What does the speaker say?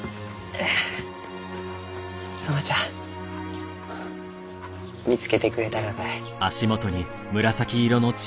園ちゃん見つけてくれたがかえ？